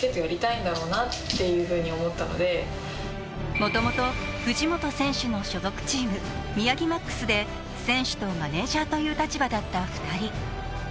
もともと藤本選手の所属チーム・宮城ＭＡＸで選手とマネージャーという立場だった２人。